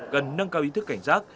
cần nâng cao ý thức cảnh giác